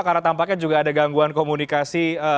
karena tampaknya juga ada gangguan komunikasi